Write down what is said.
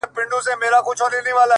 • او له سترگو يې څو سپيني مرغلري؛